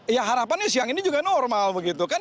ya harapannya siang ini juga normal begitu kan